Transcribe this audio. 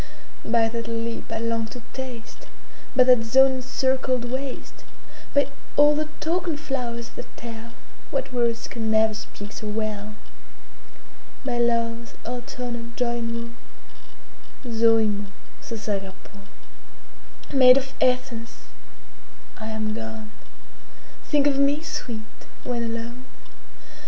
By that lip I long to taste; By that zone encircled waist; By all the token flowers that tellWhat words can never speak so well; By love's alternate joy and woe,[Greek].Maid of Athens! I am gone:Think of me, sweet! when alone.